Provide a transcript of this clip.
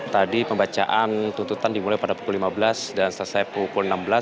tadi pembacaan tuntutan dimulai pada pukul lima belas dan selesai pukul enam belas